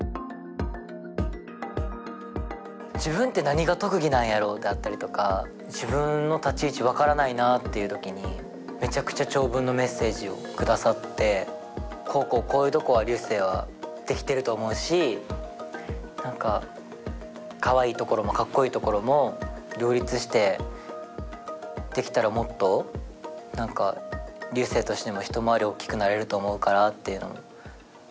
自分って何が特技なんやろうであったりとか自分の立ち位置分からないなっていう時にめちゃくちゃ長文のメッセージを下さってこうこうこういうとこは流星はできてると思うしかわいいところもかっこいいところも両立してできたらもっと流星としても一回り大きくなれると思うからっていうのも。